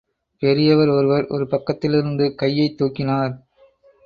பெரியவர் ஒருவர் ஒரு பக்கத்திலிருந்து கையைத் தூக்கினார்.